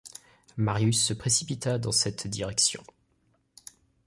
Marius se précipita dans cette direction.